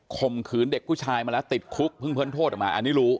ข่มขืนเด็กผู้ชายมาแล้วติดคุกเพิ่งพ้นโทษออกมาอันนี้รู้